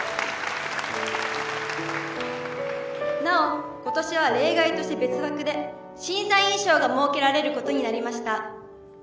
なおことしは例外として別枠で審査員賞が設けられることになりました。